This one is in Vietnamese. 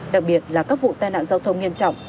đặc biệt là các vụ tai nạn giao thông nghiêm trọng